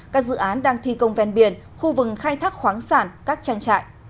các dự án đang thi công ven biển khu vực khai thác khoáng sản các trang trại